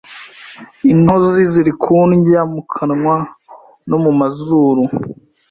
intozi ziri kundya mu kanwa no mu mazuru